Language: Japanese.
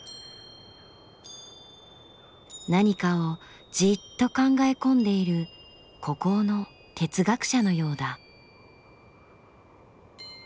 何かをじっと考え込んでいる孤高の哲学者のようだ。